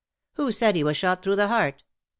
" Who said he was shot through the heart ?"